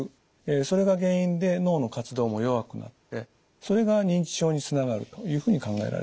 それが原因で脳の活動も弱くなってそれが認知症につながるというふうに考えられております。